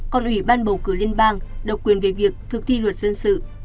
còn ủy ban bầu cử liên bang độc quyền về việc thực thi luật dân sự